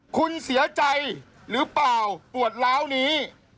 คุณเสียใจหรือเปล่าปวดร้าวนี้